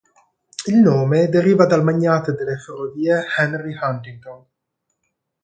Il nome deriva dal magnate delle ferrovie Henry Huntington.